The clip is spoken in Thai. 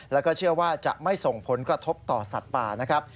แล้วก็เชื่อว่าจะไม่ส่งผลกระทบต่อสัตว์ป่านะครับ